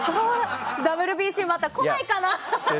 ＷＢＣ、また来ないかなあ！